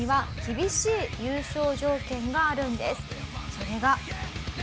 それが。